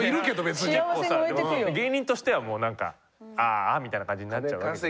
結構さでも芸人としてはもうなんかああみたいな感じになっちゃうわけじゃん。